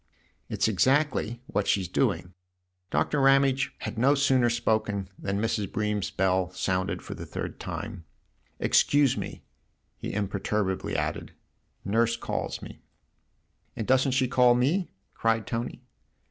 " It's exactly what she's doing." Doctor Ramage had no sooner spoken than Mrs. Bream's bell sounded for the third time. " Excuse me !" he im perturbably added. " Nurse calls me." "And doesn't she call me?" cried Tony.